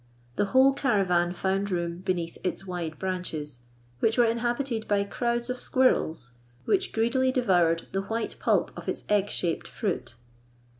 The whole caravan found room beneath its wide branches, which were inhabited by crowds of squirrels, which greedily devoured the white pulp of its egg shaped fruit.